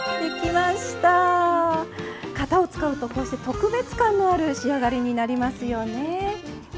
型を使うと特別感のある仕上がりになりますよね。